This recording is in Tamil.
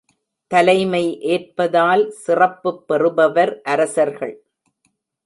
தலைமை ஏற்பதால் சிறப்புப் பெறுபவர் அரசர்கள்.